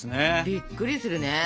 びっくりするね。